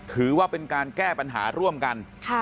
ถือว่าเป็นการแก้ปัญหาร่วมกัน